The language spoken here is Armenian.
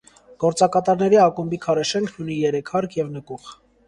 Գործակատարների ակումբի քարե շենքն ունի երեք հարկ և նկուղ։